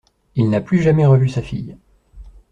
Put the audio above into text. Il n'a plus jamais revu sa fille.